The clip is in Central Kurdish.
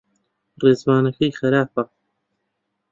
ڕێزمانەکەی خراپە.